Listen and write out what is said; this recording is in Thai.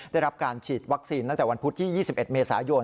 ได้รับการฉีดวัคซีนตั้งแต่วันพุธที่๒๑เมษายน